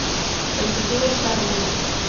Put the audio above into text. El futuro está abierto...